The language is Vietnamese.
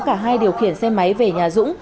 cả hai điều khiển xe máy về nhà dũng